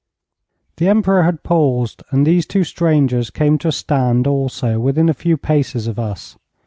The Emperor had paused, and these two strangers came to a stand also within a few paces of us.